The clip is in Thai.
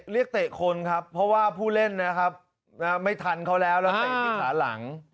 เตะคนครับเพราะว่าผู้เล่นนะครับไม่ทันเขาแล้วแล้วเตะที่ขาหลัง